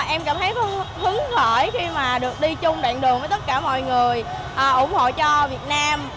em cảm thấy hứng khởi khi mà được đi chung đoạn đường với tất cả mọi người ủng hộ cho việt nam